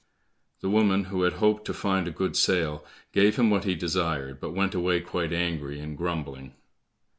The woman who had hoped to find a good sale, gave him what he desired, but went away quite angry and grumbling.